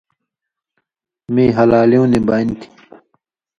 مِیں ہلالیُوں نی بانیۡ تھی